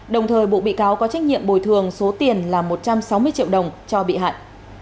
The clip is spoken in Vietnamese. đồng thời bộ bị cáo có trách nhiệm bồi thường số tiền là một trăm sáu mươi triệu đồng cho bị hại